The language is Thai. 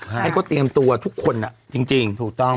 ให้เขาเตรียมตัวทุกคนอ่ะจริงจริงถูกต้อง